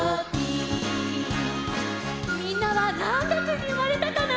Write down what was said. みんなはなんがつにうまれたかな？